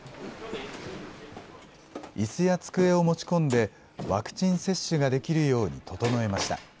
いすや机を持ち込んで、ワクチン接種ができるように整えました。